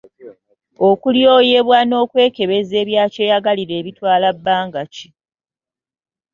Okulyoyebwa n’okwekebeza ebya kyeyagalire bitwala bbanga ki?